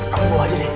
kamu bawa aja deh ya